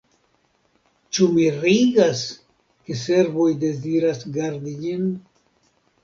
Ĉu mirigas, ke serboj deziras gardi ĝin?